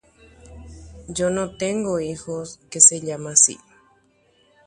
che niko ndarekói chememby hérava péicha.